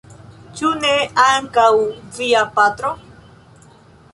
Ĉu ne ankaŭ via patro?